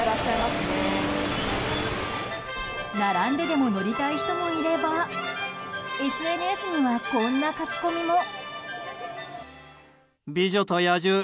並んででも乗りたい人もいればＳＮＳにはこんな書き込みも。